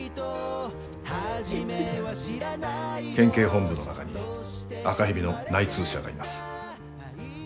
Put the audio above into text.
県警本部の中に赤蛇の内通者がいます。